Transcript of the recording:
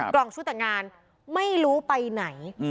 กล่องชุดแต่งงานไม่รู้ไปไหน